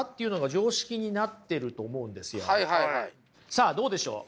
さあどうでしょう？